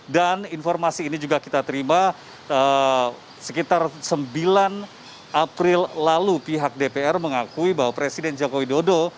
dan informasi ini juga kita terima sekitar sembilan april lalu pihak dpr mengakui bahwa presiden joko widodo